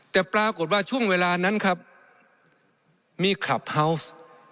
แต่ปรากฏว่าช่วงเวลานั้นครับมีคลับเฮาวส์